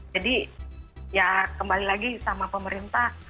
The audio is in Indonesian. jadi ya kembali lagi sama pemerintah